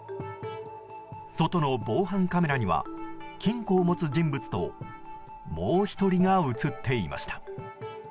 外の防犯カメラには金庫を持つ人物ともう１人が映っていました。